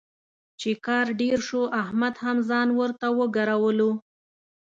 چې کار ډېر شو، احمد هم ځان ورته وګرولو.